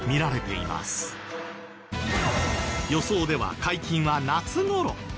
予想では解禁は夏頃。